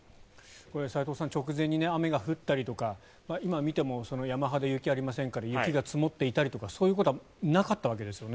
齋藤さん直前に雨が降ったりとか今見ても山肌、雪ありませんから雪が積もっていたりとかそういうことはなかったわけですよね。